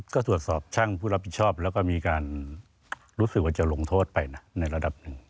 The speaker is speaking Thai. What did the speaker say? ก็ตรวจสอบช่างผู้รับผิดชอบแล้วก็มีการรู้สึกว่าจะลงโทษไปนะในระดับหนึ่ง